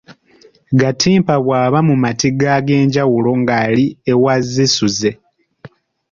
Gattimpa bw’aba mu matigga ag’enjawulo ng’ali ewa Zisuzze